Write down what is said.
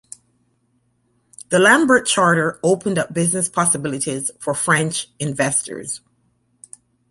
The Lambert Charter opened up business possibilities for French investors.